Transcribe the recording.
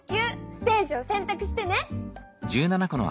ステージをせんたくしてね。